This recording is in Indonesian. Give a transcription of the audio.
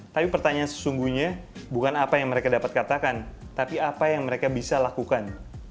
tapi pertanyaan sesungguhnya bukan apa yang mereka dapat katakan tapi apa yang mereka bisa lakukan